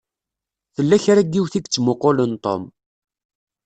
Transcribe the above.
Tella kra n yiwet i yettmuqqulen Tom.